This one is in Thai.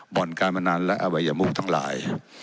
บ่อนการพนันและอวัยมุกทั้งหลาย